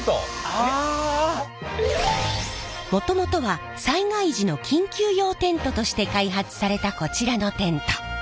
もともとは災害時の緊急用テントとして開発されたこちらのテント。